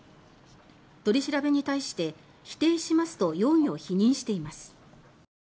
取り調べに対して、否定しますと容疑を否認しています。